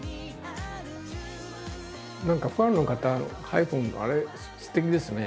何かファンの方のハイフンのあれすてきですね。